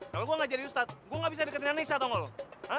kalau gue nggak jadi ustadz gue nggak bisa deketin anissa tolong